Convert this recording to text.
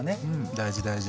大事大事。